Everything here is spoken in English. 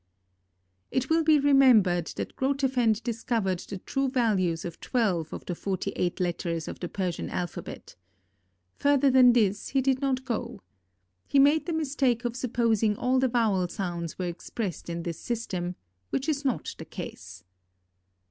It will be remembered that Grotefend discovered the true values of twelve of the forty eight letters of the Persian alphabet. Further than this he did not go. He made the mistake of supposing all the vowel sounds were expressed in this system, which is not the case.